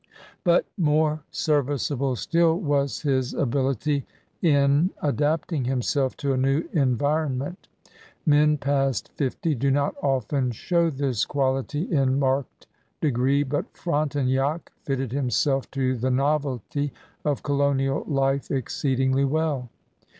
But more serviceable still was his ability in adapting himself to a new environment. Men past fifty do not often show this quality in marked degree, but Frontenac fitted himself to the novelty of colonial life exceedingly well.